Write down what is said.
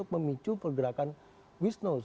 memicu pergerakan wisnos